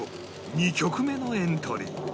２曲目のエントリー